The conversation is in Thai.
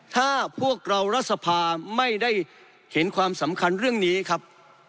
ถ้าพวกเรารัฐสภาไม่ได้เห็นความสำคัญเรื่องนี้ครับ